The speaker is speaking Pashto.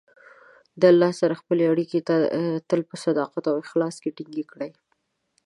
د الله سره خپلې اړیکې تل په صداقت او اخلاص کې ټینګې کړئ.